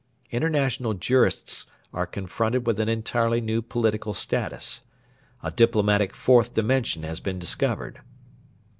International jurists are confronted with an entirely new political status. A diplomatic 'Fourth Dimension' has been discovered.